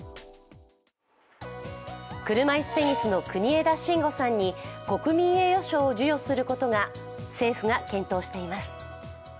車いすテニスの国枝慎吾さんに国民栄誉賞を授与することを政府が検討しています。